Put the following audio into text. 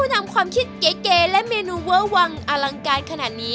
และก